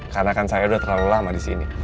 karena kan saya udah terlalu lama disini